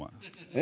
え？